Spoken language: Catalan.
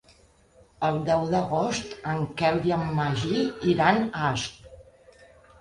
El deu d'agost en Quel i en Magí iran a Asp.